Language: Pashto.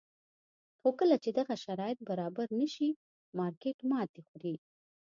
خو کله چې دغه شرایط برابر نه شي مارکېټ ماتې خوري.